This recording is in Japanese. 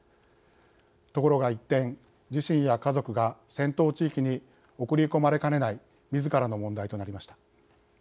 ところが一転、自身や家族が戦闘地域に送り込まれかねないみずからの問題となりました。